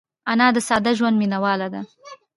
انا د ساده ژوند مینهواله ده